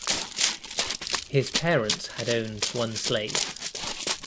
His parents had owned one slave.